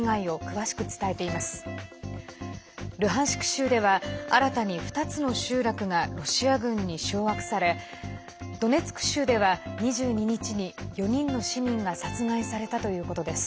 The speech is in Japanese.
州では新たに２つの集落がロシア軍に掌握されドネツク州では２２日に４人の市民が殺害されたということです。